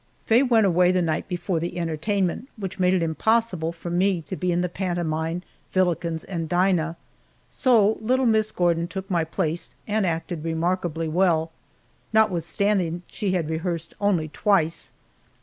Faye went away the night before the entertainment, which made it impossible for me to be in the pantomime "Villikens and Dinah," so little Miss Gordon took my place and acted remarkably well, notwithstanding she had rehearsed only twice.